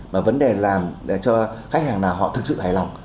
mà vấn đề là cho khách hàng nào họ thực sự hài lòng